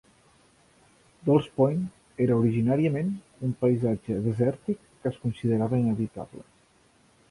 Dolls Point era originàriament un paisatge desèrtic, que es considerava inhabitable.